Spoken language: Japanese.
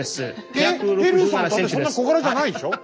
ヘルーさんだってそんなに小柄じゃないでしょ。